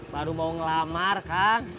baru mau ngelamar kang